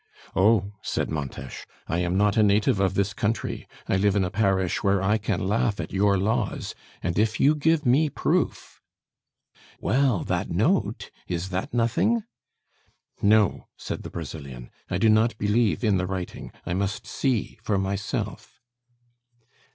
"Oh!" said Montes, "I am not a native of this country. I live in a parish where I can laugh at your laws; and if you give me proof " "Well, that note. Is that nothing?" "No," said the Brazilian. "I do not believe in the writing. I must see for myself."